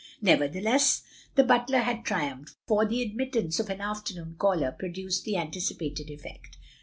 Nevertheless, the butler had triumphed, for the admittance of an afternoon caller produced the anticipated effect.